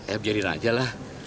eh biarin aja lah